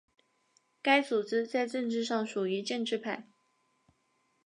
该组织在政治上属于建制派。